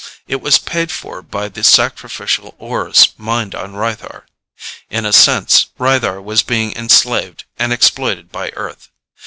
It was paid for by the sacrificial ores mined on Rythar. In a sense, Rythar was being enslaved and exploited by Earth.